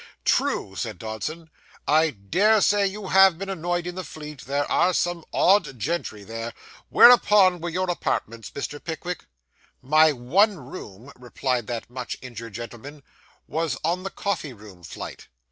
'True,' said Dodson, 'I dare say you have been annoyed in the Fleet; there are some odd gentry there. Whereabouts were your apartments, Mr. Pickwick?' 'My one room,' replied that much injured gentleman, 'was on the coffee room flight.